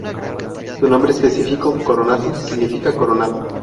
Su nombre específico "coronatus" significa coronado.